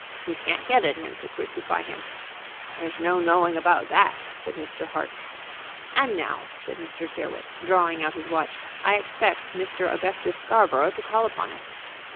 "You can't get at him to crucify him." "There's no knowing about that," said Mr. Hart. "And now," said Mr. Tyrrwhit, drawing out his watch, "I expect Mr. Augustus Scarborough to call upon us."